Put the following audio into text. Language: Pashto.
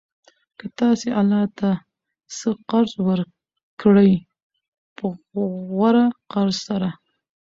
كه تاسي الله ته څه قرض ورکړئ په غوره قرض سره